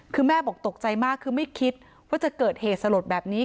คือแม่บอกตกใจมากคือไม่คิดว่าจะเกิดเหตุสลดแบบนี้